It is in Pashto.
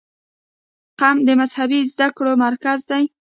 قم د مذهبي زده کړو مرکز دی.